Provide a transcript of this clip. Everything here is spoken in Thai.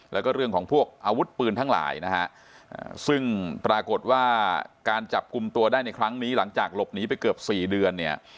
แล้วก็เรื่องของพวกอาวุธปืนทั้งหลายนะฮะซึ่งปรากฏว่าการจับกลุ่มตัวได้ในครั้งนี้หลังจากหลบหนีไปเกือบ๔เดือนเนี่ย